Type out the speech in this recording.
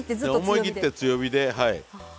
思い切って強火ではい。